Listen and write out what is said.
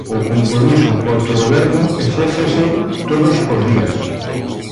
O compromiso co autogoberno exércese todos os días.